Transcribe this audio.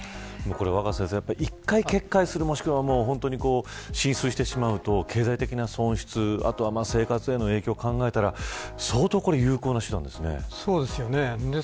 若狭先生、一回決壊するもしくは浸水してしまうと、経済的な損失生活への影響考えたらそうですよね。